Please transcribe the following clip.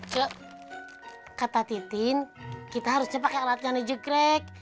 cuk kata titin kita harus cepat pakai alat yang dijugrek